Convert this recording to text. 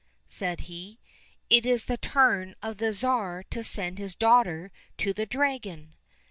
" said he ;" it is the turn of the Tsar to send his daughter to the dragon